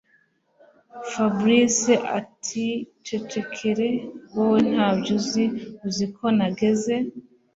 Fabric atiicecekere wowe ntabyo uzi uziko nageze